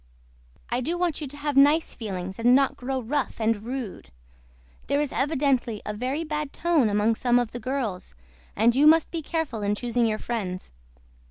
I DO WANT YOU TO HAVE NICE FEELINGS AND NOT GROW ROUGH AND RUDE. THERE IS EVIDENTLY A VERY BAD TONE AMONG SOME OF THE GIRLS AND YOU MUST BE CAREFUL IN CHOOSING YOUR FRIENDS.